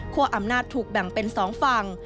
คั่วอำนาจถูกแบ่งเป็นสองฝั่ง